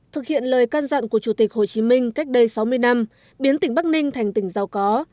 thực hiện lời can dặn của chủ tịch hồ chí minh cách đây sáu mươi năm biến tỉnh bắc ninh thành tỉnh giàu có